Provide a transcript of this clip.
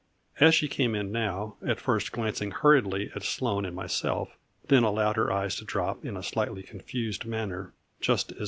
As she came in now, at first glancing hurried ly at Sloane and myself, then allowed her eyes to drop in a slightly confused manner just as A FLURRY IN DIAMONDS